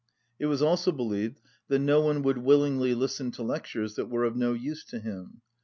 It was also believed that no one would willingly listen to lectures that were of no use to him.